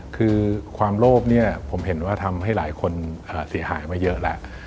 คือความโลภเนี่ยผมเห็นว่าทำให้หลายคนเสียหายมาเยอะแล้ว